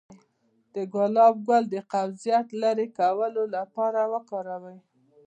د ګلاب ګل د قبضیت د لرې کولو لپاره وکاروئ